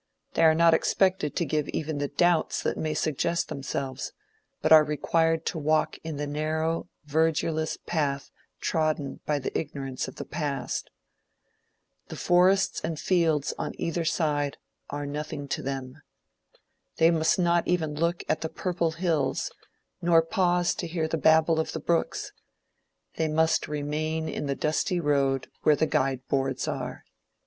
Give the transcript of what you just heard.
They are not expected to give even the doubts that may suggest themselves, but are required to walk in the narrow, verdureless path trodden by the ignorance of the past. The forests and fields on either side are nothing to them. They must not even look at the purple hills, nor pause to hear the babble of the brooks. They must remain in the dusty road where the guide boards are.